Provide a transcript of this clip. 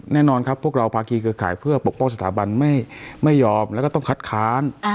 แน่นอนครับพวกเราภาคีเครือข่ายเพื่อปกป้องสถาบันไม่ยอมแล้วก็ต้องคัดค้าน